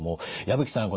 矢吹さん